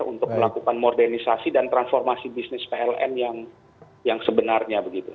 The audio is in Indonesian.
untuk melakukan modernisasi dan transformasi bisnis pln yang sebenarnya begitu